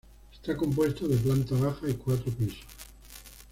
Está compuesto de planta baja y cuatro pisos.